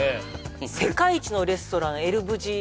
世界一のレストラン「エル・ブジ」